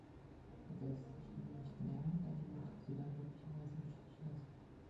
Man sollte sich ihnen nicht nähern, da die Mutter sie dann möglicherweise im Stich lässt.